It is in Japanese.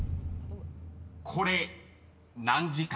［これ何時間？］